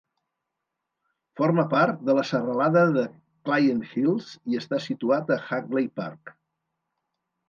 Forma part de la serralada de Client Hills i està situat a Hagley Park.